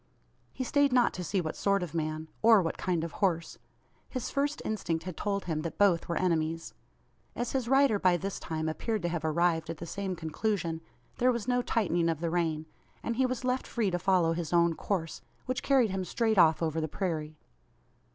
He stayed not to see what sort of man, or what kind of horse. His first instinct had told him that both were enemies. As his rider by this time appeared to have arrived at the same conclusion, there was no tightening of the rein; and he was left free to follow his own course which carried him straight off over the prairie.